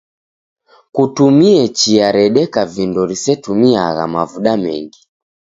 Kutumie chia redeka vindo risetumiagha mavuda mengi.